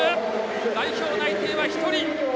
代表内定は１人。